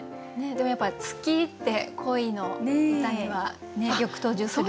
でもやっぱり月って恋の歌にはよく登場する。